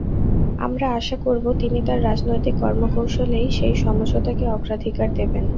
আমরা আশা করব, তিনি তাঁর রাজনৈতিক কর্মকৌশলেই সেই সমঝোতাকে অগ্রাধিকার দেবেন।